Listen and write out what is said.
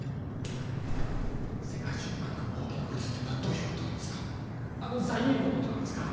世界中を巻き込む大きな渦っていうのはどういうことなんですかあのザイールのことなんですか？